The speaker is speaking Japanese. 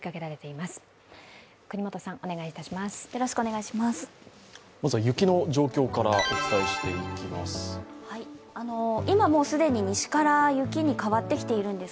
まずは雪の状況からお伝えしていきます。